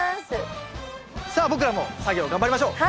さあ僕らも作業頑張りましょう！